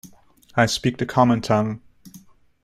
I speak the common tongue.